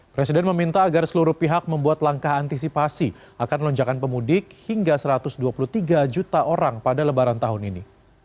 presiden meminta agar seluruh pihak membuat langkah antisipasi akan lonjakan pemudik hingga satu ratus dua puluh tiga juta orang pada lebaran tahun ini